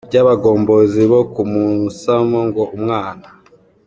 ry’abagombozi bo ku Musamo ngo “Umwana